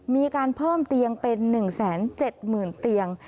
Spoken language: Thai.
มีการเพิ่มเตียงเป็น๑๗๐๐๐เตียง